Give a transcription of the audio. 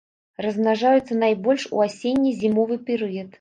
Размнажаюцца найбольш у асенне-зімовы перыяд.